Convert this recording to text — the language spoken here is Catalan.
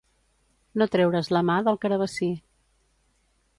No treure's la mà del carabassí.